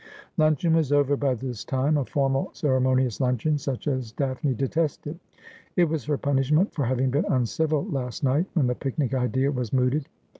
' Luncheon was over by this time — a formal ceremonious luncheon, such as Daphne detested. It was her punishment for having been uncivil last night when the picnic idea was mooted.